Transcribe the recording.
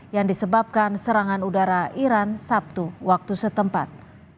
yang disebabkan serangan udara iran sabtu waktu setempat